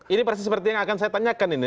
ini persis seperti yang akan saya tanyakan ini